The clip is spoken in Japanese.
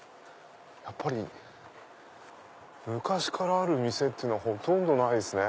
やっぱり昔からある店はほとんどないですね。